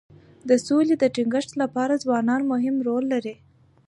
د سولې د ټینګښت لپاره ځوانان مهم رول لري.